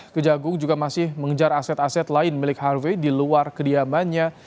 kejagung juga masih mengejar aset aset lain milik harvey di luar kediamannya